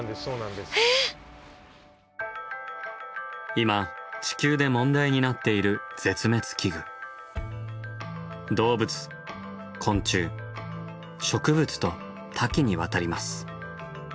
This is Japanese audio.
今地球で問題になっている絶滅危惧。と多岐にわたります。